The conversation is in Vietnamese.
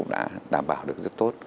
đã đảm bảo được rất tốt